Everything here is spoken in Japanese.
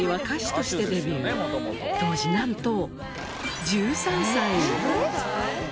当時なんと１３歳。